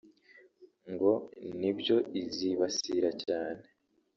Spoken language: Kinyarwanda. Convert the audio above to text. ngo ni byo izibasira cyane